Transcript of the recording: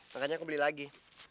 makanya aku beli lagi